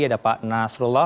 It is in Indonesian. ada pak nasrullah